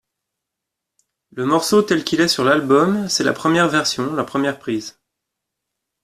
Le morceau tel qu’il est sur l’album, c’est la première version, la première prise.